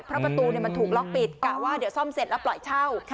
เพราะประตูมันถูกล็อกปิดกะว่าเดี๋ยวซ่อมเสร็จแล้วปล่อยเช่า